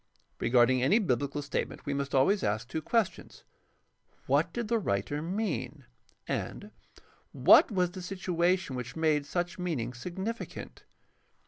Regarding any biblical statement we must always ask two questions: What did the writer mean ? and What was the situation which made such meaning significant